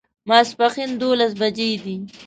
ماسپښین دوولس بجې دي